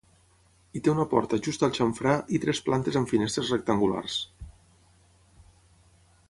Hi té una porta just al xamfrà i tres plantes amb finestres rectangulars.